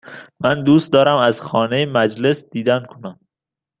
من دوست دارم از خانه مجلس دیدن کنم.